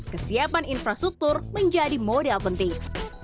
kesiapan infrastruktur menjadi modal penting